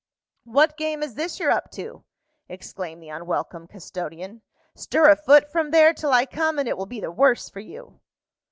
"What game is this you're up to?" exclaimed the unwelcome custodian. "Stir a foot from there till I come, and it will be the worse for you."